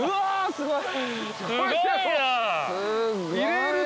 すごい！